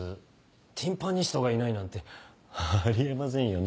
ティンパニストがいないなんてあり得ませんよね。